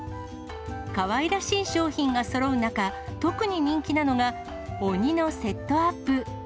かわいらしい商品がそろう中、特に人気なのが、鬼のセットアップ。